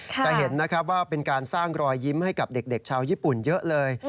จะเห็นนะครับว่าเป็นการสร้างรอยยิ้มให้กับเด็กชาวญี่ปุ่นเยอะเลย